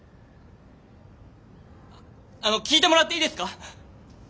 あの聞いてもらっていいですか？